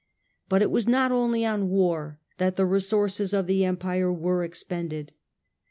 But it was not only on war that the resources of the Empire were expended.